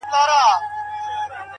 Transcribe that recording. نظم د هدفونو ساتونکی دی